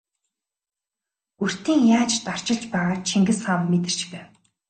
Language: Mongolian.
Бөртийн яаж тарчилж байгааг Чингис хаан мэдэрч байв.